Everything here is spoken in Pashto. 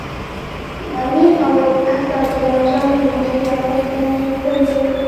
د امیر او ولیعهد عبدالله جان د روغتیا پوښتنه یې کړې وه.